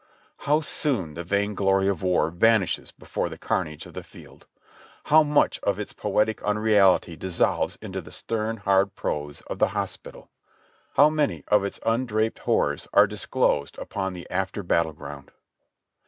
How soon the vain glory of war vanishes before the carnage of the field ! how much of its poetic unreality dissolves into the stern, hard prose of the hospital ! how many of its undraped horrors are disclosed upon the after battle ground